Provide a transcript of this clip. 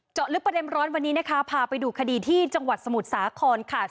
ลึกประเด็นร้อนวันนี้นะคะพาไปดูคดีที่จังหวัดสมุทรสาครค่ะ